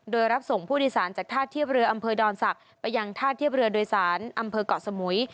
โดยรับส่งผู้โดยสารจากท่าเทียบเรืออำเภอดอนศักดิ์ไปยังท่าเทียบเรือโดยสารอำเภอกเกาะสมุย